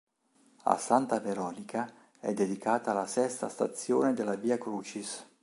A Santa Veronica è dedicata la sesta stazione della "Via Crucis".